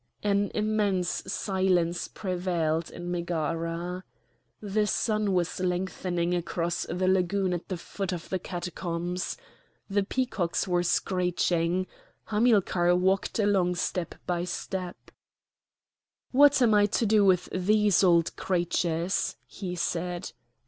An immense silence prevailed in Megara. The sun was lengthening across the lagoon at the foot of the catacombs. The peacocks were screeching. Hamilcar walked along step by step. "What am I to do with these old creatures?" he said.